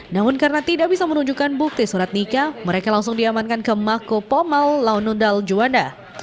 namun karena tidak bisa menunjukkan bukti surat nikah mereka langsung diamankan ke mako pomal launundal juanda